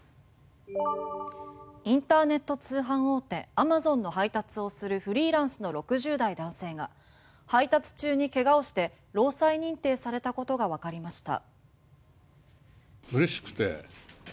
インターネット通販大手アマゾンの配達をするフリーランスの６０代男性が配達中に怪我をして労災認定されたことがわかりました。